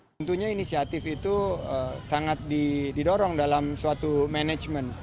tentunya inisiatif itu sangat didorong dalam suatu manajemen